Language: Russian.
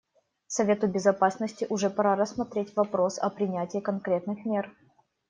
Совету Безопасности уже пора рассмотреть вопрос о принятии конкретных мер.